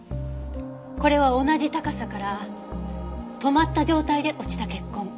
これは同じ高さから止まった状態で落ちた血痕。